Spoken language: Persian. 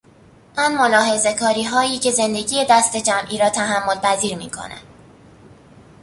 آن ملاحظهکاریهایی که زندگی دستهجمعی را تحملپذیر میکند